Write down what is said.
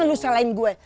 jangan lu selain gue